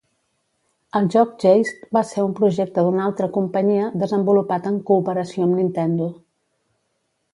El joc "Geist" va ser un projecte d'una altra companyia, desenvolupat en cooperació amb Nintendo.